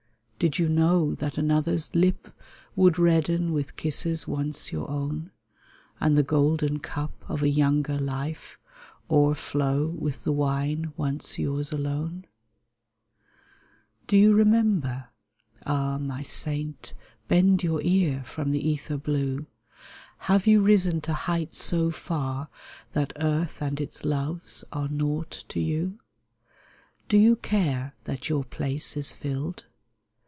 Did you know that another's lip Would redden with kisses once your own, And the golden cup of a younger life O'erflow with the wine once yours alone ? Do you remember ? Ah, my saint. Bend your ear from the ether blue ! Have you risen to heights so far That earth and its loves are nought to you ? Do you care that your place is filled